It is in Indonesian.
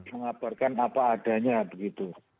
mengabarkan apa adanya begitu